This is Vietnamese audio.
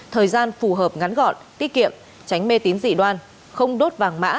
thời gian phù hợp ngắn gọn tiết kiệm tránh mê tín dị đoan không đốt vàng mã